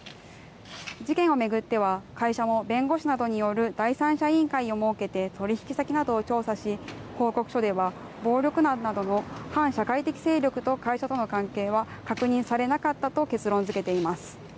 事件を巡っては、会社も弁護士などによる第三者委員会を設けて取り引き先などを調査し、報告書では暴力団などの反社会的勢力と会社との関係は確認されなかったと結論づけています。